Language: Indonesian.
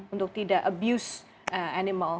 untuk tidak abuse animal